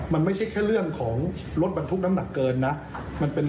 มันไม่ใช่แค่เรื่องของรถบรรทุกน้ำหนักเกินนะ